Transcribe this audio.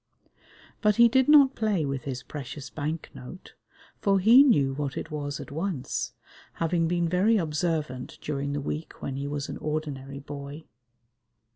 But he did not play with his precious bank note, for he knew what it was at once, having been very observant during the week when he was an ordinary boy.